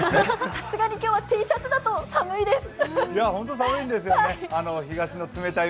さすがに今日はＴシャツだと寒いです。